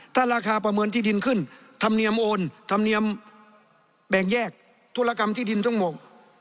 ถ้าราคาประเมินที่ดินขึ้นธรรมเนียมโอนธรรมเนียมแบ่งแยกธุรกรรมที่ดินทั้งหมด